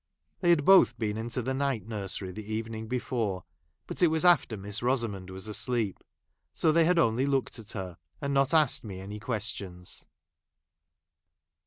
They had both been into the night J nursery the evening before, but it was after I Miss I^samond was asleep ; so they had only 1 looked at her — not asked me any questions.